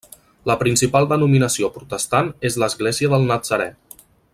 La principal denominació Protestant és l'Església del Natzarè.